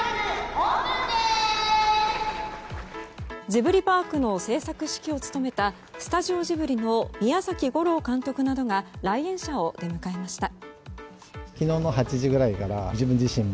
ジブリパークの制作指揮を務めたスタジオジブリの宮崎吾朗監督などが来園者を出迎えました。